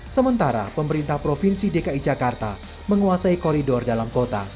sementara pemerintah provinsi dki jakarta menguasai koridor dalam kota